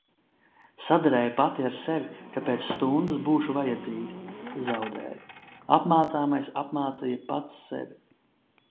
Saderēju pati ar sevi, ka pēc stundas būšu vajadzīga. Zaudēju. Apmācāmais apmācīja pats sevi.